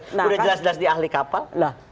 sudah jelas jelas di ahli kapal